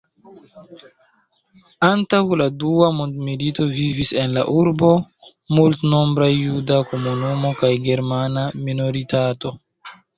Antaŭ la dua mondmilito vivis en la urbo multnombra juda komunumo kaj germana minoritato.